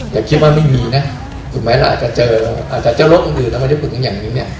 อย่าคิดว่าไม่มีนะถึงเมื่อไหร่จะเจออาจจะเจ้าโลกอื่นอื่นแล้วมาเรียกคุณกันอย่างนี้เนี้ย